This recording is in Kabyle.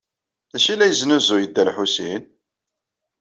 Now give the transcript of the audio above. D acu ay la yesnuzuy Dda Lḥusin?